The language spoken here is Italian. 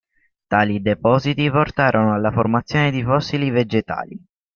Tali depositi portarono alla formazione di fossili vegetali.